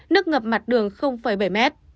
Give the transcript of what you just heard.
nước ngập mặt đường bảy mét